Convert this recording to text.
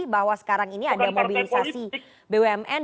bahwa sekarang ini ada mobilisasi bumn